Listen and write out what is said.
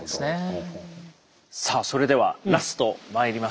さあそれではラストまいりましょう。